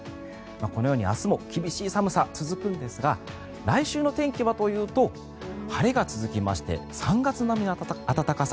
このように明日も厳しい寒さが続くんですが来週の天気はというと晴れが続きまして３月並みの暖かさ。